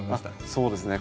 そうですね。